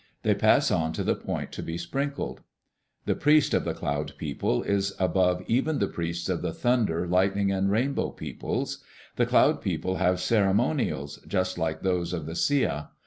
They pass on to the point to be sprinkled. The priest of the Cloud People is above even the priests of the Thunder, Lightning, and Rainbow Peoples. The Cloud People have ceremonials, just like those of the Sia.